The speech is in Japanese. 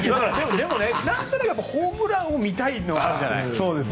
でも、何となくホームランを見たいのがあるじゃない。